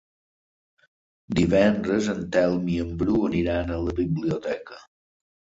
Divendres en Telm i en Bru aniran a la biblioteca.